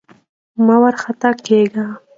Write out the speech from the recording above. مه وارخطا کېږه!